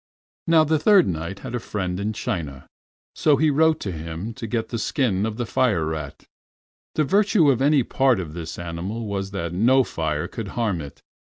Now the Third Knight had a friend in China, so he wrote to him to get the skin of the fire rat. The virtue of any part of this animal was that no fire could harm it.